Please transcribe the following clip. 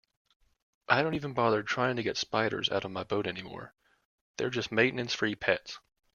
I don't even bother trying to get spiders out of my boat anymore, they're just maintenance-free pets.